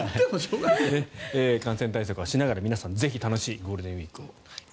感染対策はしながらぜひ皆さん楽しいゴールデンウィークを。